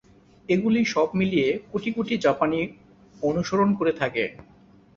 এগুলি সব মিলিয়ে কোটি কোটি জাপানি অনুসরণ করে থাকে।